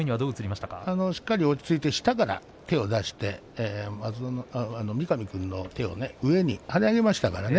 しっかり落ち着いて下から手を出して三上君の手を上に跳ね上げましたからね。